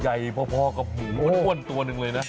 ใหญ่พอกับหมูอ้วนตัวหนึ่งเลยนะ